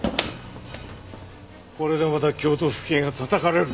これでまた京都府警がたたかれる。